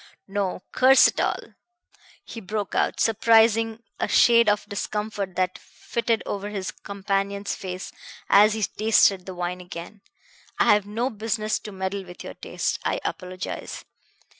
No, curse it all!" he broke out, surprising a shade of discomfort that fitted over his companion's face as he tasted the wine again. "I have no business to meddle with your tastes. I apologize.